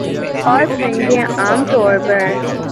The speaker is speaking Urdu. اورپرندے عام طور پر